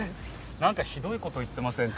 なんかひどい事言ってませんか？